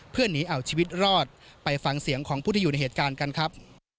เพื่อหนีเอาชีวิตรอดไปฟังเสียงของผู้ที่อยู่ในเหตุการณ์กันครับ